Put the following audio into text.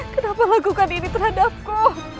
kenapa lakukan ini terhadapku